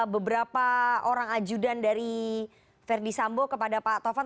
beberapa orang ajudan dari verdi sambo kepada pak tovan